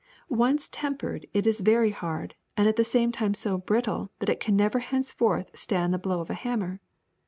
Once tempered, it is very hard and at the same time so brittle that it can never henceforth stand the blow of a hammer.